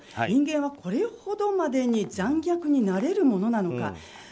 人間はこれほどまでに残虐になれるものなのか。